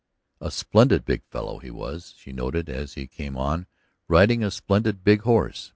A splendid big fellow he was, she noted as he came on, riding a splendid big horse.